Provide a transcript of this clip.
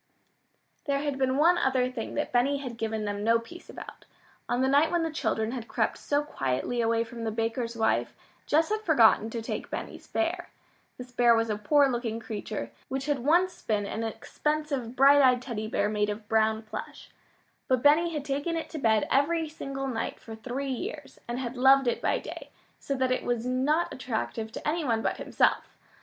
There had been one other thing that Benny had given them no peace about. On the night when the children had crept so quietly away from the baker's wife, Jess had forgotten to take Benny's bear. This bear was a poor looking creature, which had once been an expensive bright eyed Teddy bear made of brown plush. But Benny had taken it to bed every single night for three years, and had loved it by day, so that it was not attractive to any one but himself.